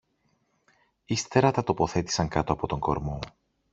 Ύστερα τα τοποθέτησαν κάτω από τον κορμό